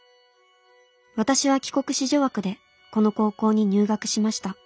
私は帰国子女枠でこの高校に入学しました。